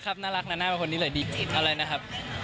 แค่พี่เราไปถามก็ดื่มสิ